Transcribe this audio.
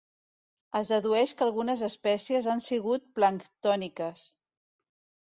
Es dedueix que algunes espècies han sigut planctòniques.